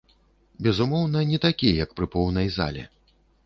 Безумоўна, не такі як пры поўнай зале.